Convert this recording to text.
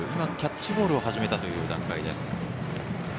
キャッチボールを始めた段階です。